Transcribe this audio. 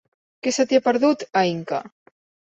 Què se t'hi ha perdut, a Inca?